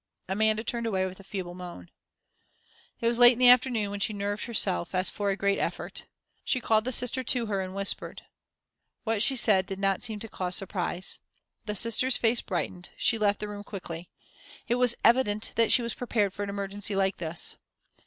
Amanda turned away with a feeble moan. It was late in the afternoon when she nerved herself, as for a great effort. She called the Sister to her and whispered. What she said did not seem to cause surprise. The Sister's face brightened, she left the room quickly. It was evident that she was prepared for an emergency like this.